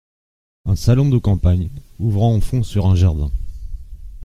Un salon de campagne, ouvrant au fond sur un jardin.